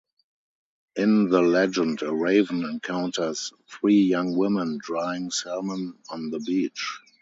In the legend, a raven encounters three young women drying salmon on the beach.